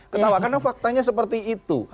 karena faktanya seperti itu